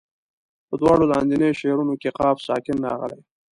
په دواړو لاندنیو شعرونو کې قاف ساکن راغلی.